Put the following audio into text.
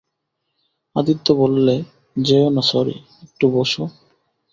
আদিত্য বললে, যেয়ো না সরি, একটু বোসো।